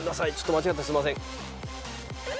間違ったらすいません。